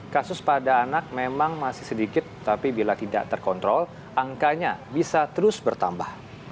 kasus pada anak memang masih sedikit tapi bila tidak terkontrol angkanya bisa terus bertambah